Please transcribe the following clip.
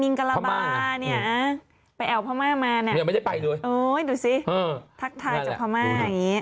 มิงกระบาเนี่ยไปแอวพระม่ามาเนี่ยโอ้ยดูสิทักทายจากพระม่าอย่างนี้ไม่ได้ไปด้วย